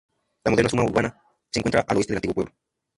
La moderna zona urbana se encuentra al oeste del antiguo pueblo.